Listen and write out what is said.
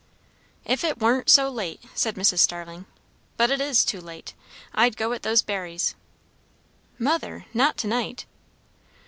"If it warn't so late," said Mrs. Starling, "but it is too late, I'd go at those berries." "Mother! Not to night."